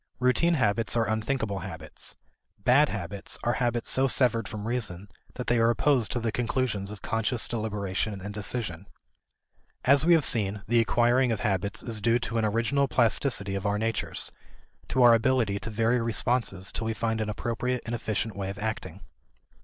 Routine habits are unthinking habits: "bad" habits are habits so severed from reason that they are opposed to the conclusions of conscious deliberation and decision. As we have seen, the acquiring of habits is due to an original plasticity of our natures: to our ability to vary responses till we find an appropriate and efficient way of acting.